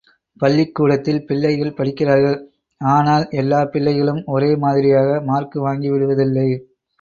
பள்ளிக்கூடத்தில் பிள்ளைகள் படிக்கிறார்கள், ஆனால் எல்லாப் பிள்ளைகளும் ஒரே மாதிரியாக மார்க்கு வாங்கிவிடுவதில்லை.